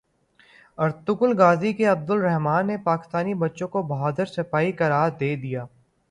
Ertugrul Ghazi کے Abdurrahman نے پاکستانی بچوں کو بہادر سپاہی قرار دے دیا